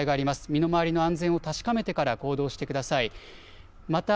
身の回りの安全を確かめてから行動してください。